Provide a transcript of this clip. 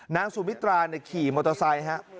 นางสุมิตราขี่มอเตอร์ไซค์ฮะ